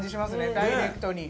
ダイレクトに。